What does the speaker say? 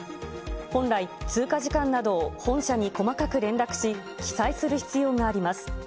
本来、通過時間などを本社に細かく連絡し、記載する必要があります。